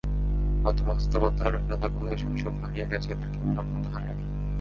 হয়তো বাস্তবতার জাঁতাকলে শৈশব হারিয়ে গেছে এদের, কিন্তু স্বপ্ন তো হারায়নি।